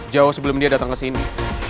jauh sebelum dia datang kesini